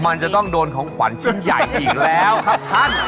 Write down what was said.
มันจะต้องโดนของขวัญชิ้นใหญ่อีกแล้วครับท่าน